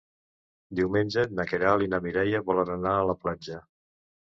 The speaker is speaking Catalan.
Diumenge na Queralt i na Mireia volen anar a la platja.